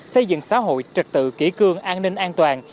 xây dựng xã hội trật tự kỷ cương an ninh an toàn